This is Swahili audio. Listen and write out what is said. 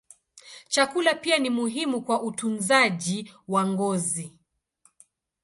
Chakula pia ni muhimu kwa utunzaji wa ngozi.